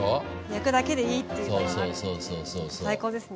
焼くだけでいいっていうのがあるって最高ですね。